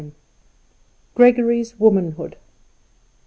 XII. Gregory's Womanhood.